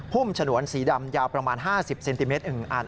ุ่มฉนวนสีดำยาวประมาณ๕๐เซนติเมตร๑อัน